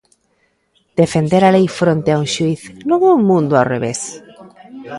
Defender a lei fronte a un xuíz non é o mundo ao revés?